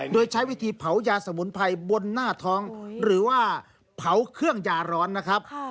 โดยใช้วิธีเผายาสมุนไพรบนหน้าท้องหรือว่าเผาเครื่องยาร้อนนะครับ